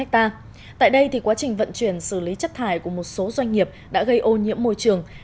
tại đây thì quá trình vận chuyển xử lý chất thải của một số doanh nghiệp đã gây ô nhiễm môi trường